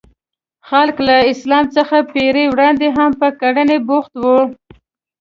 خلک له اسلام څخه پېړۍ وړاندې هم په کرنه بوخت وو.